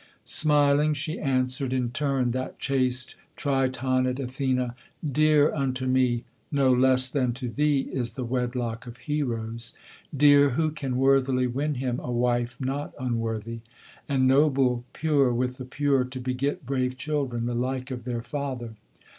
Smiling she answered in turn, that chaste Tritonid Athene: 'Dear unto me, no less than to thee, is the wedlock of heroes; Dear, who can worthily win him a wife not unworthy; and noble, Pure with the pure to beget brave children, the like of their father.